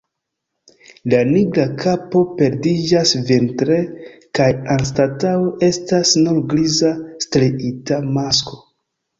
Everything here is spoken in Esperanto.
La nigra kapo perdiĝas vintre kaj anstataŭ estas nur griza striita masko.